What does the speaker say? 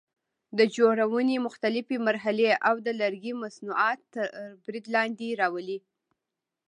د جوړونې مختلفې مرحلې او د لرګي مصنوعات تر برید لاندې راولي.